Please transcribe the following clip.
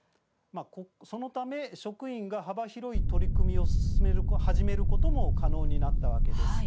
そのため、職員が幅広い取り組みを始めることも可能になったわけです。